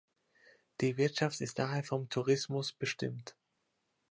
Die Wirtschaft ist daher vom Tourismus bestimmt.